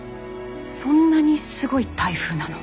そんなにすごい台風なの？